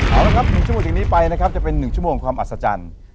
เอาละครับ๑ชั่วโมงถึงนี้ไปนะครับจะเป็น๑ชั่วโมงความอัศจรรย์